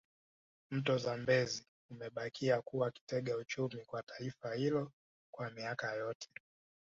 Mto Zambezi umebakia kuwa kitega uchumi kwa taifa hilo kwa miaka yote